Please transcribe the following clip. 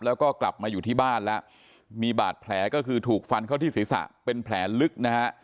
แล้วก็กลับมาอยู่ที่บ้านแล้วมีบาดแผลก็คือถูกฟันเข้าที่ศีรษะเป็นแผลลึกนะฮะ